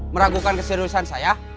meragukan keseriusan saya